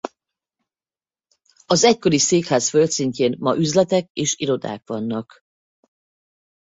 Az egykori székház földszintjén ma üzletek és irodák vannak.